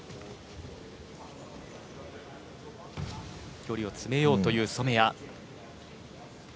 距離を詰めようという染谷。